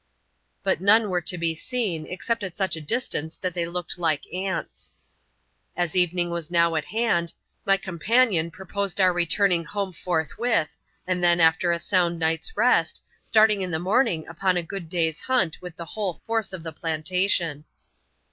But none were to be seen, except at such a distance that they looked like ants. As evening was now at hand, my companion proposed our returning home forthwith ; and then, after a sound night's rest, starting in the morning upon a good day's hunt with the whole force of the plantation.